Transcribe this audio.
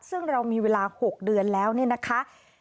ซึ่งเรามีเวลา๖เดือนแล้วเนี่ยนะคะ